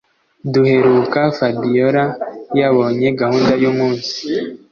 duheruka fabiora yabonye gahunda yumunsi